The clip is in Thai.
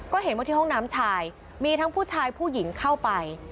ก็เห็นว่าที่ห้องน้ำชายมีทั้งผู้ชายผู้หญิงเข้าไป